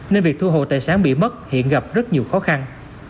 nên việc thu hồ tài sản bị mất hiện gặp rất nhiều khó khăn